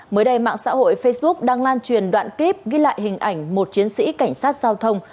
mới đây mạng xã hội facebook đang lan truyền đoạn clip ghi lại hình ảnh một chiến sĩ cảnh sát giao thông